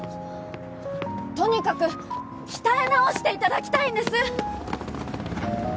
とにかく鍛え直していただきたいんです！